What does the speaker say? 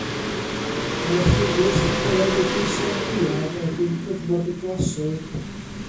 Mae'r thymws yn cyrraedd ei bwysau mwyaf erbyn cyfnod y glasoed.